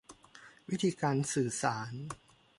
วิธีการสื่อสาร